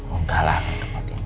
gak lah gak ngerepotin